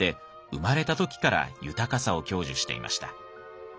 生まれた時から豊かさを享受していました。